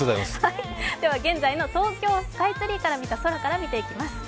では現在の東京スカイツリーから見た空を見ていきます。